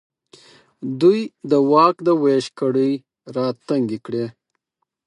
دوی د واک د وېش کړۍ راتنګې کړې.